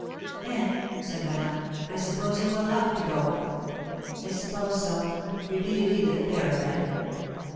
"Then," said Madame, "I suppose you will have to go." "I suppose so," repeated Edith, parrot like.